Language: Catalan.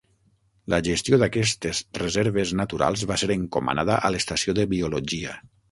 La gestió d'aquestes reserves naturals va ser encomanada a l'estació de biologia.